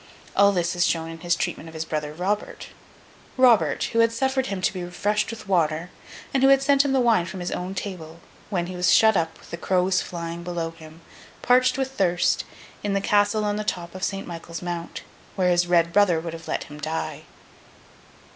All this is shown in his treatment of his brother Robert—Robert, who had suffered him to be refreshed with water, and who had sent him the wine from his own table, when he was shut up, with the crows flying below him, parched with thirst, in the castle on the top of St. Michael's Mount, where his Red brother would have let him die.